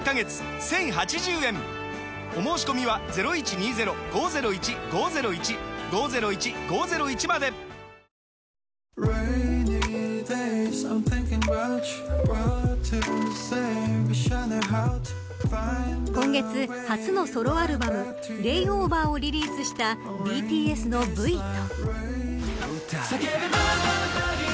１，０８０円お申込みは今月、初のソロアルバムＬａｙｏｖｅｒをリリースしたＢＴＳのＶと。